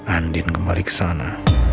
andin kembali ke sana